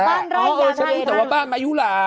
บ้านไร่ยาไทยอ๋อเออฉันรู้แต่ว่าบ้านมายุหลา